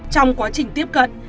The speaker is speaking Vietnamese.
trong quá trình tiếp cận